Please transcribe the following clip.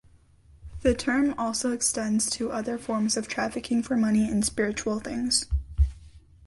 The term also extends to other forms of trafficking for money in spiritual things.